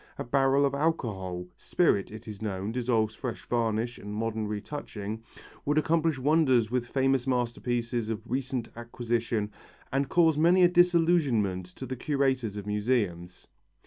A barrel of alcohol spirit, it is known, dissolves fresh varnish and modern retouching would accomplish wonders with famous masterpieces of recent acquisition and cause many a disillusionment to the curators of museums.